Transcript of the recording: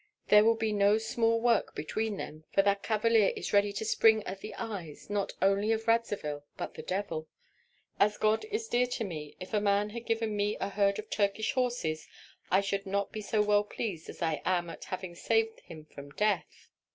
There will be no small work between them, for that cavalier is ready to spring at the eyes, not only of Radzivill, but the devil. As God is dear to me, if a man had given me a herd of Turkish horses I should not be so well pleased as I am at having saved him from death."